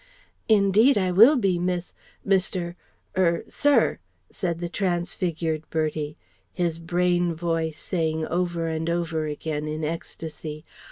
"Indeed I will be, Miss ... Mister ... er ... Sir..." said the transfigured Bertie (his brain voice saying over and over again in ecstasy